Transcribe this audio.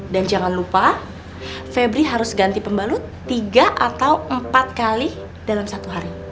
dan jangan lupa febri harus ganti pembalut tiga atau empat kali dalam satu hari